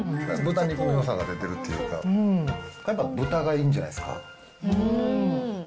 豚肉のよさが出てるっていうか、やっぱ豚がいいんじゃないですか。